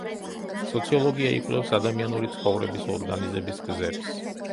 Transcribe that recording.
სოციოლოგია იკვლევს ადამიანური ცხოვრების ორგანიზების გზებს.